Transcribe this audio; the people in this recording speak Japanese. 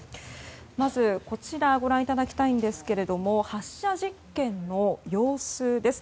まず、こちらご覧いただきたいんですが発射実験の様子です。